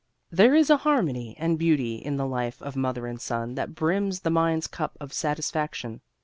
There is a harmony and beauty in the life of mother and son that brims the mind's cup of satisfaction.